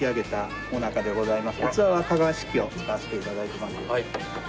こちら器は香川漆器を使わせて頂いてます。